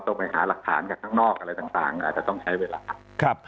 ไปหาหลักฐานจากข้างนอกอะไรต่างอาจจะต้องใช้เวลาครับ